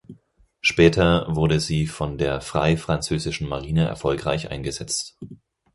Später wurde sie von der Frei-französischen Marine erfolgreich eingesetzt.